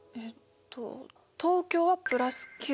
東京は＋９